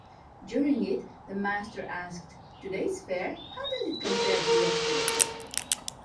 During it, the master asked: Today's fare, how does it compare with yesterday's?